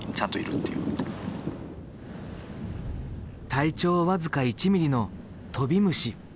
体長僅か１ｍｍのトビムシ。